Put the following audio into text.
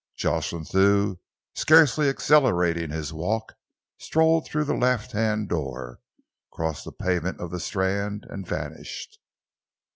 Jocelyn Thew, scarcely accelerating his walk, strolled through the left hand door, crossed the pavement of the Strand and vanished.